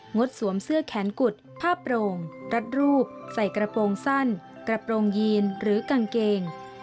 ดสวมเสื้อแขนกุดผ้าโปร่งรัดรูปใส่กระโปรงสั้นกระโปรงยีนหรือกางเกง